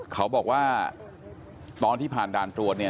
เขาบอกว่าตอนที่ผ่านด่านตรวจเนี่ย